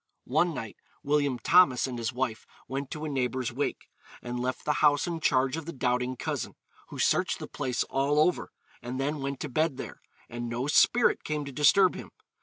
One night William Thomas and his wife went to a neighbour's wake, and left the house in charge of the doubting cousin, who searched the place all over, and then went to bed there; and no spirit came to disturb him.